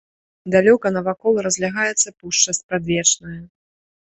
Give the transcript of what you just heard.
Далёка навакол разлягаецца пушча спрадвечная.